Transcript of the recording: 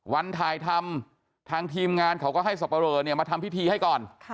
วันถ่ายทำทางทีมงานเขาก็ให้สับปะเรอมาทำพิธีให้ก่อน